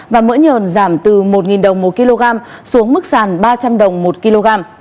và mỡ nhờn giảm từ một đồng một kg xuống mức sàn ba trăm linh đồng một kg